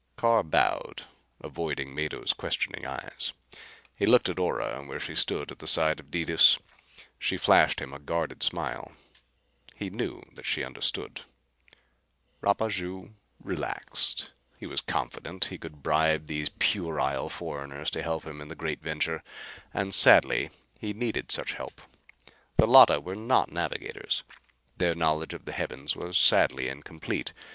Carr bowed, avoiding Mado's questioning eyes. He looked at Ora where she stood at the side of Detis. She flashed him a guarded smile. He knew that she understood. Rapaju relaxed. He was confident he could bribe these puerile foreigners to help him in the great venture. And sadly he needed such help. The Llotta were not navigators. Their knowledge of the heavens was sadly incomplete.